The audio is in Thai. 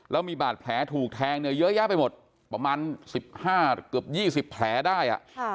แล้วมีบาดแผลถูกแทงเนี่ยเยอะแยะไปหมดประมาณ๑๕เกือบ๒๐แผลได้